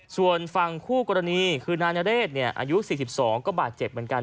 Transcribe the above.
ส่วนฟังคู่กรณีคือนานณเดชน์เนี่ยอายุ๔๒ก็บาดเจ็บเหมือนกัน